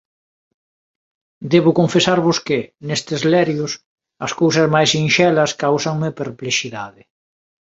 Debo confesarvos que, nestes lerios, as cousas máis sinxelas cáusanme perplexidade.